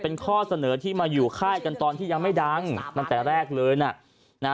เป็นข้อเสนอที่มาอยู่ค่ายกันตอนที่ยังไม่ดังตั้งแต่แรกเลยน่ะนะ